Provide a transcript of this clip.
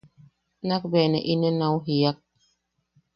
Nak bea ne inen au jiiak.